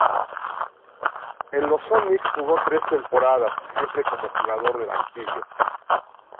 En los Sonics jugó tres temporadas, siempre como jugador de banquillo.